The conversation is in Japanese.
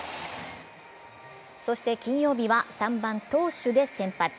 そして金曜日は３番・投手で先発。